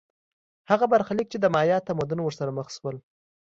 هغه برخلیک چې د مایا تمدن ورسره مخ شول